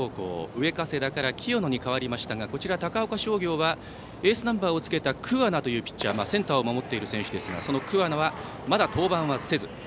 上加世田から清野に代わりましたが高岡商業はエースナンバーをつけた桑名というピッチャーがセンターを守っている選手ですが桑名は、まだ登板はせず。